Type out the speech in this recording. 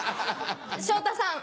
昇太さん